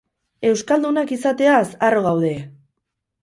Euskaldunak izateaz arro gaude!